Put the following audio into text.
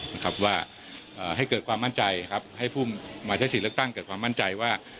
นะครับว่าเอ่อให้เกิดความมั่นใจครับให้ผู้มาใช้สิทธิ์เลือกตั้งเกิดความมั่นใจว่า